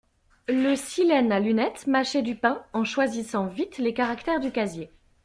Le Silène à lunettes mâchait du pain en choisissant vite les caractères du casier.